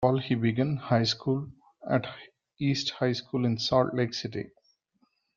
That fall he began high school at East High School in Salt Lake City.